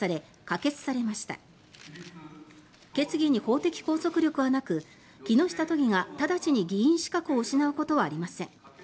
決議に法的拘束力はなく木下都議が直ちに議員資格を失うことはありません。